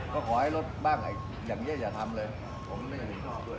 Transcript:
ก็ขอให้ลดบ้างอย่างเยี่ยมอย่าทำเลยผมไม่ชอบด้วย